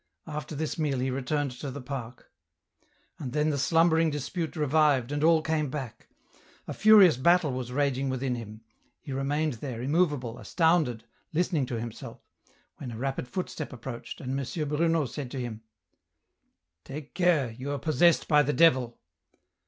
After this meal he returned to the park. And then the slumbering dispute revived and all came back. A furious battle was raging within him. He remained there, immovable, astounded, listening to himself, when a rapid footstep approached and M. Bruno said to him, " Take care, you are possessed by the devil